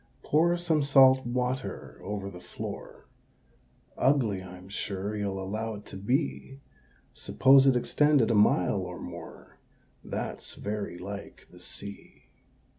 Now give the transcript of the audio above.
Pour some salt water over the floor Ugly I'm sure you'll allow it to be: Suppose it extended a mile or more, That's very like the Sea.